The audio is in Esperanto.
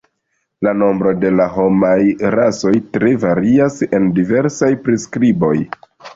La nombro de homaj rasoj tre varias en diversaj priskriboj.